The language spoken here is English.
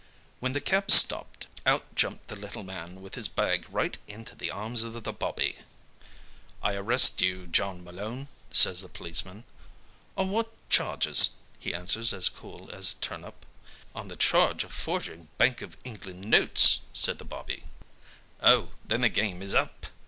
When the cab stopped out jumped the little man with his bag right into the arms of the 'bobby.' "'I arrest you, John Malone,' says the policeman. "'On what charge?' he answers as cool as a turnip. "'On the charge of forging Bank of England notes,' says the 'bobby'. "'Oh, then the game is up!'